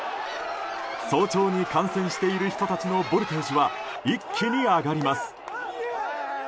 早朝に観戦している人たちのボルテージは一気に上がります。